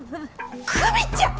久実ちゃん